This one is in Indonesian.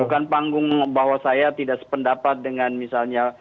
bukan panggung bahwa saya tidak sependapat dengan misalnya